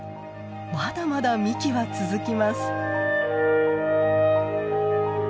まだまだ幹は続きます。